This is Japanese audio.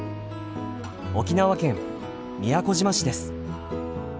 沖縄県宮古島市です。